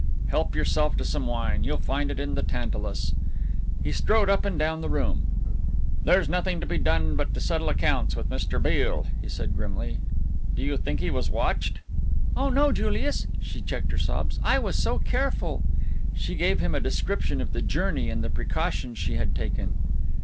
Help yourself to some wine, you'll find it in the tantalus." He strode up and down the room. "There's nothing to be done but to settle accounts with Mr. Beale," he said grimly. "Do you think he was watched?" "Oh no, no, Julius" she checked her sobs "I was so careful." She gave him a description of the journey and the precautions she had taken.